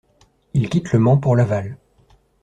Il quitte Le Mans pour Laval.